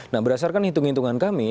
nah berdasarkan hitung hitungan kami